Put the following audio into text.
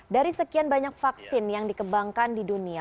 dari sekian banyak vaksin yang dikembangkan di dunia